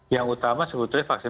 yang utama sebetulnya vaksin